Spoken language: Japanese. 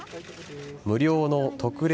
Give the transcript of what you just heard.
無料の特例